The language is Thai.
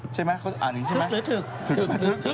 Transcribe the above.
ใช่ไหมเขาอ่านอย่างนี้ใช่ไหม